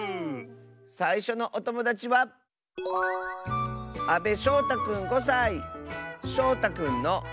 さいしょのおともだちはしょうたくんの。